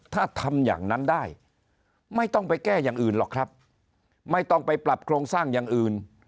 ถ้าทำอย่างนั้นได้ไม่ต้องไปแก้อย่างอื่นหรอกครับไม่ต้องไปปรับโครงสร้างอย่างอื่น